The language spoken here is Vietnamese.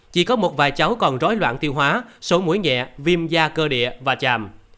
chỉ có một vài cháu còn rói loạn tiêu hóa sổ mũi nhẹ viêm da cơ địa và chàm